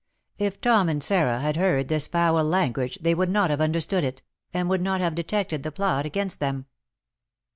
If Tom and Sarah had heard this foul language, they would not have understood it, and would not have detected the plot against them.